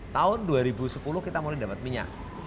tahun dua ribu sepuluh kita mulai dapat minyak